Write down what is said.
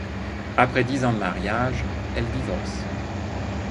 Après dix ans de mariage, elle divorce.